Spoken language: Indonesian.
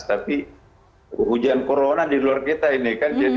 tapi hujan corona di luar kita ini kan